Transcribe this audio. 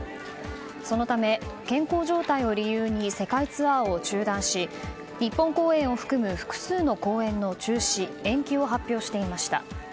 そのため、健康状態を理由に世界ツアーを中断し日本公演を含む複数の公演の中止延期を発表していました。